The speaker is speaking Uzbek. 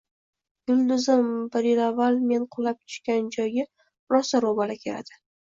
— Yulduzim bir yil avval men qulab tushgan joyga rosa ro‘baro‘ keladi...